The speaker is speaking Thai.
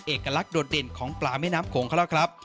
เอกลักษณ์โดดเด่นของปลาแม่น้ำโขงเขาแล้วครับ